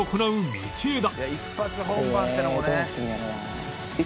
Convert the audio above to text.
道枝